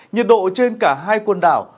nhiệt độ trên cả hai quần đảo